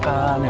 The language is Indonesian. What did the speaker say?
oke yara awas